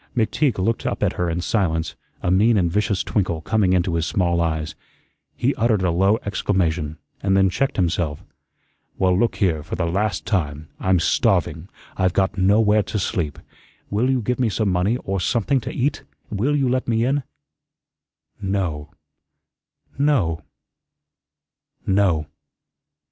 McTeague looked up at her in silence, a mean and vicious twinkle coming into his small eyes. He uttered a low exclamation, and then checked himself. "Well, look here, for the last time. I'm starving. I've got nowhere to sleep. Will you give me some money, or something to eat? Will you let me in?" "No no no."